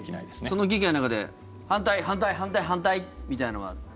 その議会の中で反対、反対、反対みたいのは。